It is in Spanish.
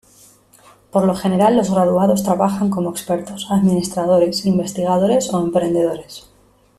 Por lo general, los graduados trabajan como expertos, administradores, investigadores o emprendedores.